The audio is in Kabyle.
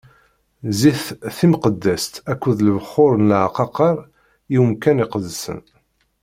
Zzit timqeddest akked lebxuṛ n leɛqaqer i umkan iqedsen.